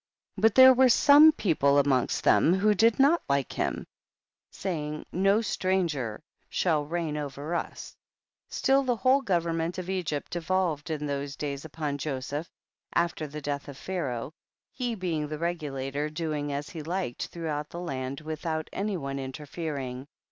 7. But there were some people amongst them, who did not like him, saying, no stranger shall reign over us ; still the whole government of Egypt devolved in those days upon Joseph, after the death of Pharaoh, he being the regulator, doing as he liked throughout the land without any one interfering.